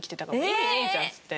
「いいじゃん」っつって。